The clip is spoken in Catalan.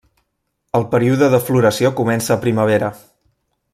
El període de floració comença a primavera.